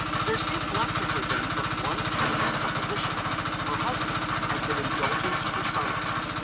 There seemed left to her then but one tenable supposition. Her husband had been indulgence personified.